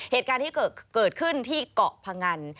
เหตุการณ์ที่เกิดขึ้นที่เกาะพงัน